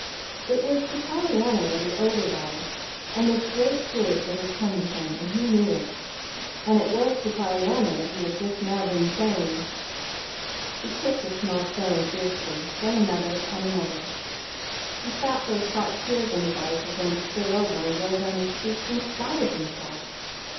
It was to Pollyanna that he owed it all this great good that had come to him; and he knew it. And it was to Pollyanna that he had just now been saying He kicked a small stone fiercely, then another, and another. He thought those hot tears in his eyes were going to spill over and roll down his cheeks in spite of himself.